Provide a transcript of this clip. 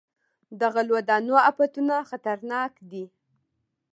د غلو دانو افتونه خطرناک دي.